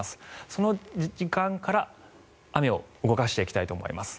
その時間から雨を動かしていきたいと思います。